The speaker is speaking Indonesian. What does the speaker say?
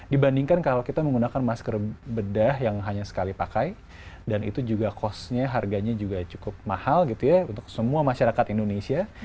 dibandingkan kalau kita menggunakan masker bedah yang hanya sekali pakai dan itu juga harganya cukup mahal untuk semua masyarakat indonesia